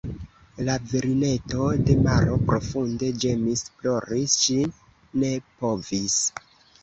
La virineto de maro profunde ĝemis, plori ŝi ne povis.